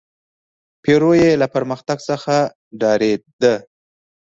پیرو یې له پرمختګ څخه ډارېد.